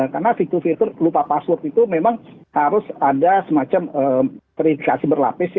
karena fitur fitur lupa password itu memang harus ada semacam kreditikasi berlapis